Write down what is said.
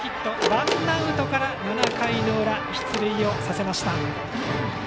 ワンアウトから７回の裏、出塁させました。